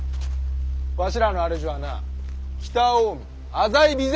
わしらの主はな北近江浅井備前